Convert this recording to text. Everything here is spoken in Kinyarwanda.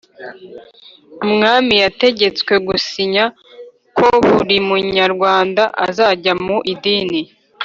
umwami yategetswe gusinya ko buri munyarwanda azajya mu idini